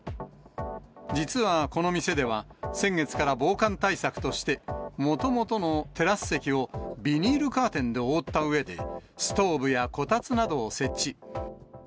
実はこの店では、先月から防寒対策として、もともとのテラス席を、ビニールカーテンで覆ったうえで、ストーブやこたつなどを設置。